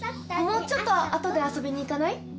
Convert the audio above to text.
もうちょっと後で遊びに行かない？